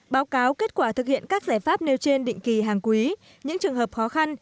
báo cáo kết quả thực hiện các giải pháp nêu trên định kỳ hàng quý những trường hợp khó khăn